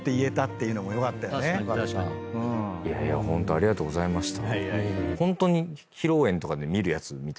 いやいやホントありがとうございました。